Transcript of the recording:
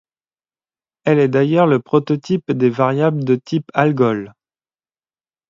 Elle est d'ailleurs le prototype des variables de type Algol.